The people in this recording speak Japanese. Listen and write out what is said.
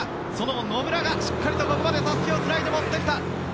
その野村がしっかりとここまでたすきをつないで持ってきた！